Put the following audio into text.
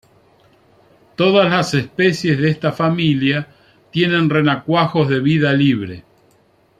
Todas las especies de esta familia tienen renacuajos de vida libre.